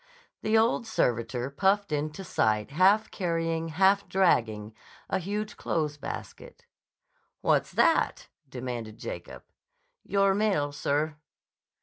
The old servitor puffed into sight half carrying, half dragging a huge clothes basket. "What's that?" demanded Jacob': "Your mail, sir."